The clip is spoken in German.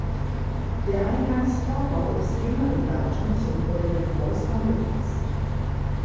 Der Eingangsvorbau ist jüngeren Datums und wurde dem Haus angepasst.